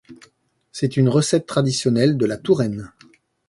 C'est une recette traditionnelle de la Touraine.